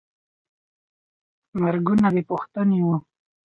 مرګونه بېپوښتنې وو.